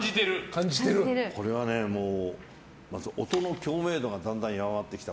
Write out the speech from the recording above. これはね、もう音の共鳴度がだんだん弱まってきた。